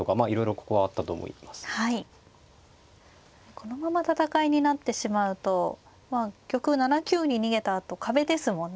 このまま戦いになってしまうと玉７九に逃げたあと壁ですもんね。